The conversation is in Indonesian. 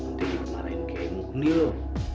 nanti dikemalkan keimu